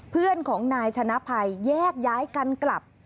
เพื่อนของนายชนะภัยแยกย้ายกันกลับ